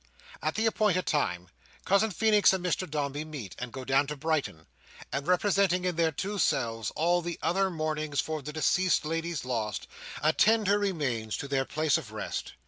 At the appointed time, Cousin Feenix and Mr Dombey meet, and go down to Brighton, and representing, in their two selves, all the other mourners for the deceased lady's loss, attend her remains to their place of rest.